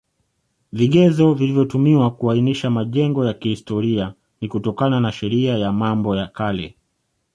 Vigezo vilivyotumiwa kuainisha majengo ya kihistoria ni kutokana na Sheria ya Mambo ya kale